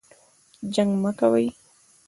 جنګ مه کوئ